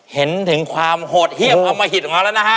เห็นถึงความโหดเยี่ยมอมหิตของเราแล้วนะฮะ